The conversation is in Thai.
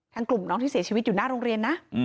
กลุ่มน้องที่เสียชีวิตอยู่หน้าโรงเรียนนะ